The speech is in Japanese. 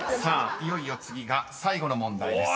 いよいよ次が最後の問題です］